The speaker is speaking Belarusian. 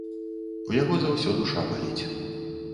У яго за ўсё душа баліць.